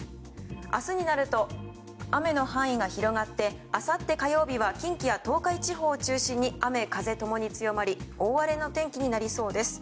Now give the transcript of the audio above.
明日になると雨の範囲が広がってあさって火曜日は近畿や東海地方を中心に雨風共に強まり大荒れの天気になりそうです。